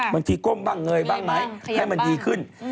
บางทีก้มบ้างเงยบ้างให้มันดีขึ้น